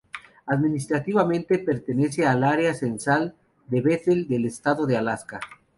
Administrativamente, pertenece al Área censal de Bethel del estado de Alaska.